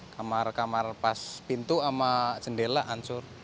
kamar kamar pas pintu sama jendela hancur